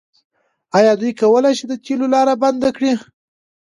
آیا دوی کولی شي د تیلو لاره بنده کړي؟